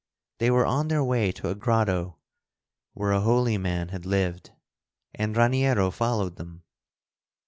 They were on their way to a grotto where a holy man had lived, and Raniero followed them.